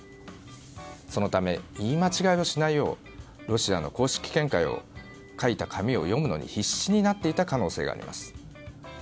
そのため言い間違いをしないようロシアの公式見解を書いた紙を読むのに必死になっていた可能性があります。